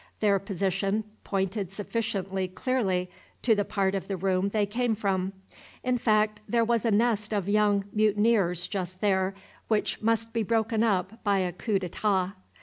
Their position pointed sufficiently clearly to the part of the room they came from. In fact, there was a nest of young mutineers just there, which must be broken up by a coup d'etat.